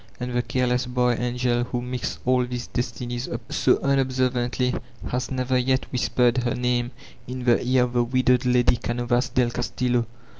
And the careless bqy angel who mixed all these destinies up so unobservant^ has never yet whispered her name in the ear of the widowed Lady Canovas del Castillo.